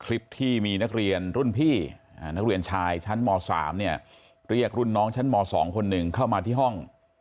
คลิปที่มีนักเรียนรุ่นพี่นักเรียนชายชั้นม๓เนี่ยเรียกรุ่นน้องชั้นม๒คนหนึ่งเข้ามาที่ห้อง